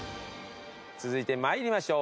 続いて参りましょう。